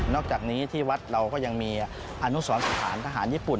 อกจากนี้ที่วัดเราก็ยังมีอนุสรสถานทหารญี่ปุ่น